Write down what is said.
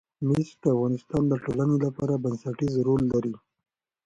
مس د افغانستان د ټولنې لپاره بنسټيز رول لري.